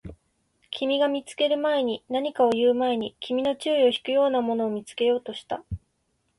君が見つける前に、何かを言う前に、君の注意を引くようなものを見つけようとした